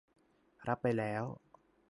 รับไปแล้ว